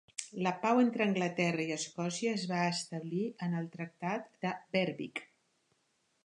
La pau entre Anglaterra i Escòcia es va establir en el tractat de Berwick.